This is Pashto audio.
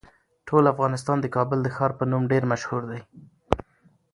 ټول افغانستان د کابل د ښار په نوم ډیر مشهور دی.